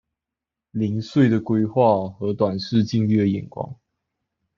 零碎的規畫和短視近利的眼光